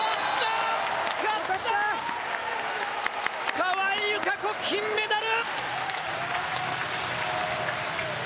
川井友香子、金メダル！